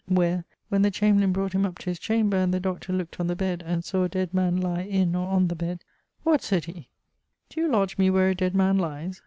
where, when the chamberlain brought him up to his chamber, and the Dr. look't on the bed and saw a dead man lye in or on the bed 'What!' sayd he, 'do you lodge me where a dead man lies?'